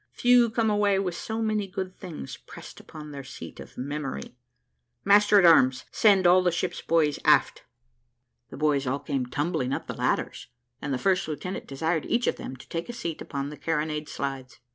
Few come away with so many good things pressed upon their seat of memory. Master at arms, send all the ship's boys aft." The boys all came tumbling up the ladders, and the first lieutenant desired each of them to take a seat upon the carronade slides.